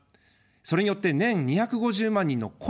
それによって年２５０万人の雇用を生む。